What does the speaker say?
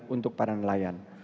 untuk para nelayan